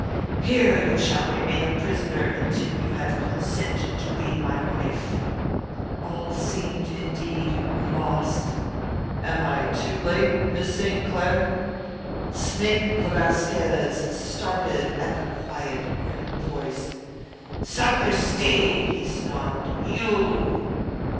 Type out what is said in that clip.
Here you shall remain a prisoner until you have consented to be my wife." All seemed, indeed, lost. "Am I too late, Miss St. Clair?" Snake le Vasquez started at the quiet, grim voice. "Sapristi!" he snarled. "You!"